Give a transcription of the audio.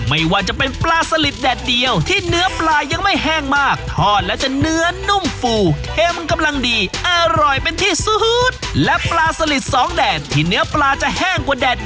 ไม่ว่าจะเป็นปลาสลิดแดดเดียวที่เนื้อปลายังไม่แห้งมาก